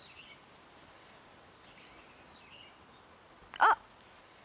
あっ！